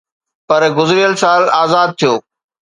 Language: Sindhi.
پر گذريل سال آزاد ٿيو